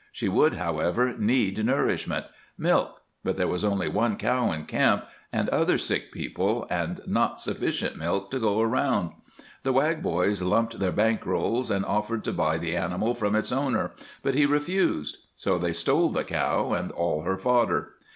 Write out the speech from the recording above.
She would, however, need nourishment milk; but there was only one cow in camp, and other sick people, and not sufficient milk to go round. The Wag boys lumped their bank rolls and offered to buy the animal from its owner, but he refused. So they stole the cow and all her fodder.